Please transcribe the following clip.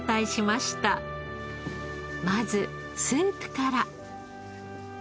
まずスープから。